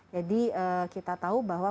jadi kita tahu bahwa